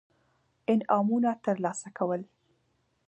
انعامونه ترلاسه کول.